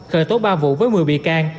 khởi tố ba vụ với một mươi bị can